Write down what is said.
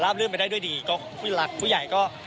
ลาบเลื่อนไปได้ด้วยดีพุทธยาลักษณ์ผู้ใหญ่ก็